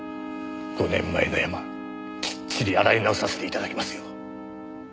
５年前のヤマきっちり洗い直させて頂きますよ。